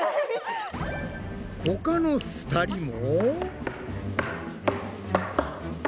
ほかの２人も。